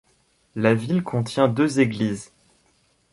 La ville contient deux églises.